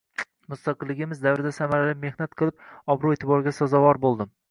Mustaqilligimiz davrida samarali mehnat qilib obro‘-e’tiborga sazovor bo‘ldim.